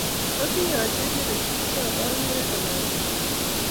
Ami achenge notupche amagere eng olatugul